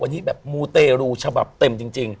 วันนี้แบบมูเตรูฉบับเต็มจริง